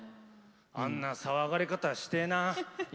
あんな騒がれ方してえな。